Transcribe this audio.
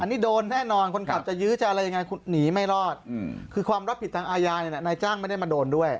อันนี้โดนแน่นอนคนขับจะยื้อจะอะไรยังไงคุณหนีไม่รอดคือความรับผิดทางอาญาเนี่ยนายจ้างไม่ได้มาโดนด้วย